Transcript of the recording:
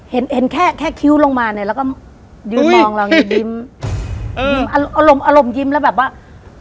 เห็นเอ็นแค่แค่คิ้วลงมาเนี่ยแล้วก็ยืนมองเรายิ้มอืมยิ้มอารมณ์อารมณ์ยิ้มแล้วแบบว่า